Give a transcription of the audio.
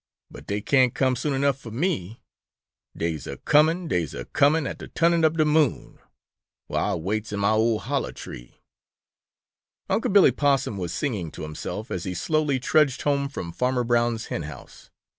But dey can't come soon enuff fo' me! Dey's a coming, dey's a coming at de turning ob de moon, Whar Ah waits in mah ol' holler tree!" Unc' Billy Possum was singing to himself, as he slowly trudged home from Farmer Brown's hen house.